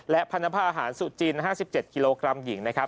และพันธภาษาอาหารสุจริน๕๗กิโลกรัมหญิง